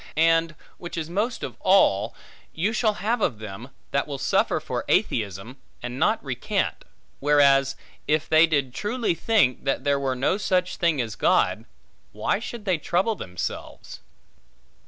And, which is most of all, you shall have of them, that will suffer for atheism, and not recant; whereas if they did truly think, that there were no such thing as God, why should they trouble themselves?